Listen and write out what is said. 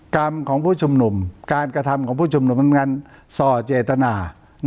กรรมของผู้ชุมนุมการกระทำของผู้ชุมนุมทำงานส่อเจตนา